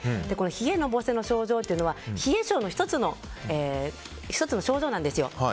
冷えのぼせの症状というのは冷え症の１つの症状なんですよ。